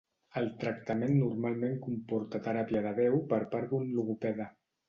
El tractament normalment comporta teràpia de veu per part d'un logopeda.